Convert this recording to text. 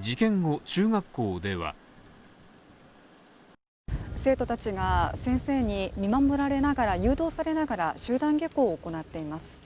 事件後、中学校では生徒たちが先生に見守られながら誘導されながら、集団下校を行っています。